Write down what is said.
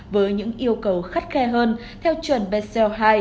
với những yêu cầu khắt khe hơn theo chuẩn bseo hai